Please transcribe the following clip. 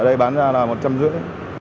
ở đây bán ra là một trăm rưỡi